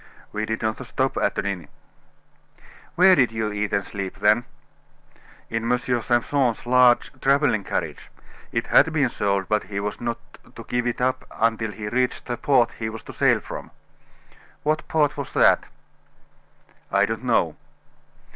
"We did not stop at an inn." "Where did you eat and sleep, then?" "In M. Simpson's large traveling carriage; it had been sold, but he was not to give it up until he reached the port he was to sail from." "What port was that?" "I don't know."